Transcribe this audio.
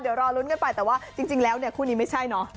เดี๋ยวรอลุ้นกันไปแต่ว่าจริงแล้วเนี่ยคู่นี้ไม่ใช่เนอะ